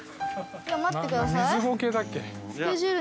待ってください。